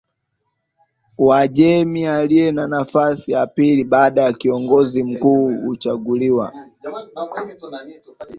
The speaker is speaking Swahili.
Uajemi aliye na nafasi ya pili baada ya Kiongozi Mkuu Huchaguliwa